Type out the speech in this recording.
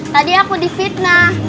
tadi aku difitnah